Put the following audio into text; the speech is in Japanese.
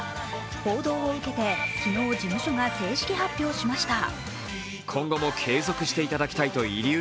報道を受けて昨日、事務所が正式発表しました。